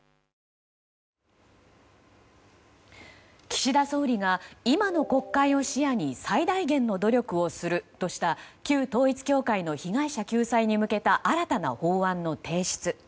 岸田総理が今の国会を視野に最大限の努力をするとした旧統一教会の被害者救済に向けた新たな法案の提出。